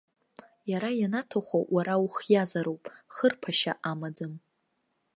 Иара ианаҭаху уара ухиазароуп, хырԥашьа амаӡам.